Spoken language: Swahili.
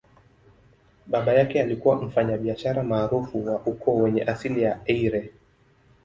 Baba yake alikuwa mfanyabiashara maarufu wa ukoo wenye asili ya Eire.